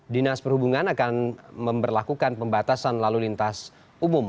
dinas perhubungan akan memperlakukan pembatasan lalu lintas umum